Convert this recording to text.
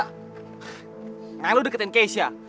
kayaknya lu udah keten case ya